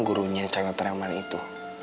gurunya cewek preman itu